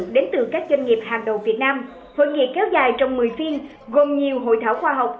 đến từ các doanh nghiệp hàng đầu việt nam hội nghị kéo dài trong một mươi phiên gồm nhiều hội thảo khoa học